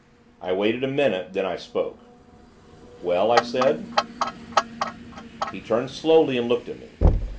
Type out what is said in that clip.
I waited a minute; then I spoke. "Well?" I said. He turned, slowly, and looked at me.